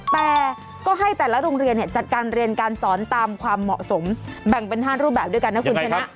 แต่ก็ให้แต่ละโรงเรียนจัดการเรียนการสอนตามความเหมาะสมแบ่งเป็น๕รูปแบบด้วยกันนะคุณชนะ